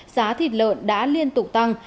giá thịt lợn đã liên tục tăng